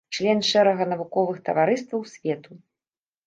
Член шэрага навуковых таварыстваў свету.